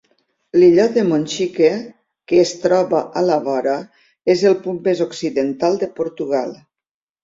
L'Illot de Monchique, que es troba a la vora, és el punt més occidental de Portugal.